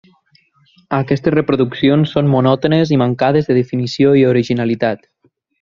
Aquestes reproduccions són monòtones i mancades de definició i originalitat.